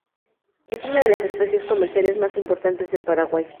Es una de las especies comerciales más importantes del Paraguay.